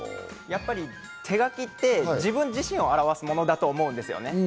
やっぱり手書きって自分自身を表すものだと思うんですよね。